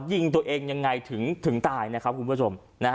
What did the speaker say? ยิงตัวเองยังไงถึงตายนะครับคุณผู้ชม